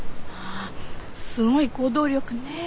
すごい行動力ね。